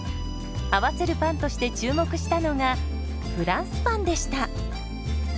合わせるパンとして注目したのがフランスパンでした。